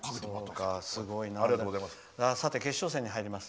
さて、決勝戦に入ります。